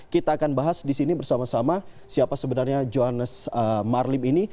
kita akan bahas di sini bersama sama siapa sebenarnya johannes marlim ini